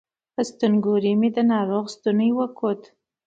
په ستونګوري مې د ناروغ ستونی وکوت